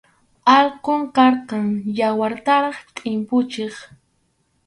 Alqum karqan, yawartaraq tʼimpuchiq.